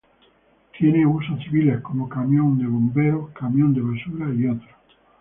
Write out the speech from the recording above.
Tiene usos civiles como camión de bomberos, camión de basura y otros.